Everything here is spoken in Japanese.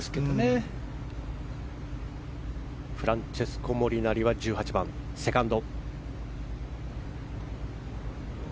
フランチェスコ・モリナリ１８番、セカンド。